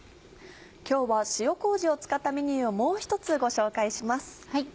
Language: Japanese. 今日は塩麹を使ったメニューをもう１つご紹介します。